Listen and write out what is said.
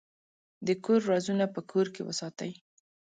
د کور رازونه په کور کې وساتئ.